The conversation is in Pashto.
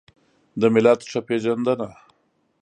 د ملت ښه پېژندنه